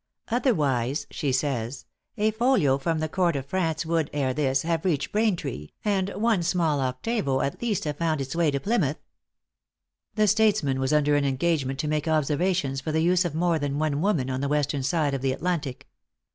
"Otherwise," she says, "a folio from the court of France would, ere this, have reached Braintree, and one small octavo at least have found its way to Plymouth." The statesman was under an engagement to make observations for the use of more than one woman on the western side of the Atlantic.